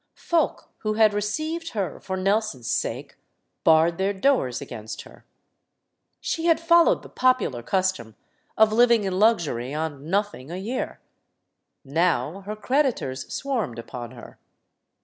Folk who had received her for Nelson's sake barred their doors against her. She had followed the popular cus tom of living in luxury on nothing a year. Now her creditors swarmed upon her.